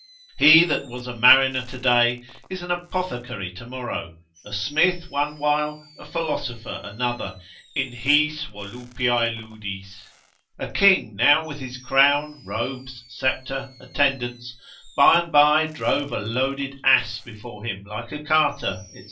He that was a mariner today, is an apothecary tomorrow; a smith one while, a philosopher another, in his volupiae ludis; a king now with his crown, robes, sceptre, attendants, by and by drove a loaded ass before him like a carter, &c.